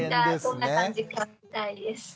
どんな感じか聞きたいです。